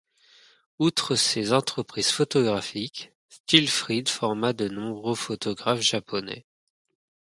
Outre ses entreprises photographiques, Stillfried forma de nombreux photographes japonais.